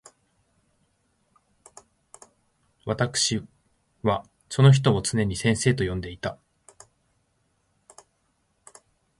私わたくしはその人を常に先生と呼んでいた。